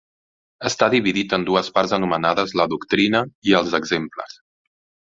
Està dividit en dues parts anomenades "La doctrina" i "Els exemples".